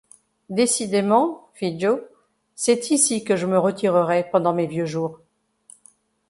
Décidément, fit Joe, c’est ici que je me retirerai pendant mes vieux jours.